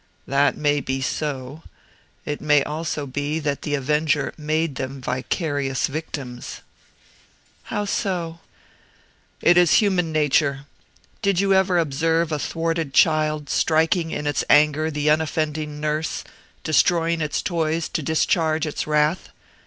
"That may be so; it may also be that the avenger made them vicarious victims." "How so?" "It is human nature. Did you ever observe a thwarted child striking in its anger the unoffending nurse, destroying its toys to discharge its wrath?